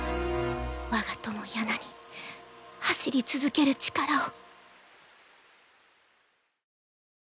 我が友ヤナに走り続ける力を！